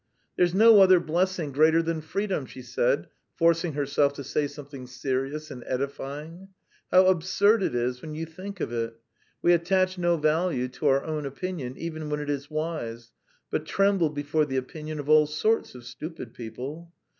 "There's no other blessing greater than freedom!" she said, forcing herself to say something serious and edifying. "How absurd it is when you think of it! We attach no value to our own opinion even when it is wise, but tremble before the opinion of all sorts of stupid people.